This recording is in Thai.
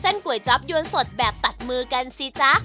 ก๋วยจ๊อปยวนสดแบบตัดมือกันสิจ๊ะ